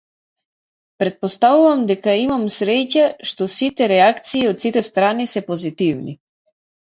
Претпоставувам дека имам среќа што сите реакции од сите страни се позитивни.